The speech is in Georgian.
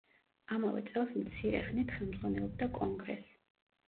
ამავე წელს მცირე ხნით ხელმძღვანელობდა კონგრესს.